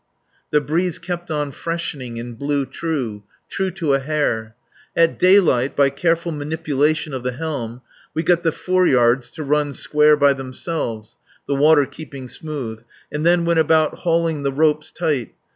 The breeze kept on freshening and blew true, true to a hair. At daylight by careful manipulation of the helm we got the foreyards to run square by themselves (the water keeping smooth) and then went about hauling the ropes tight.